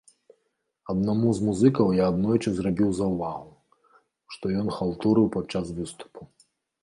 Аднаму з музыкаў я аднойчы зрабіў заўвагу, што ён халтурыў падчас выступу.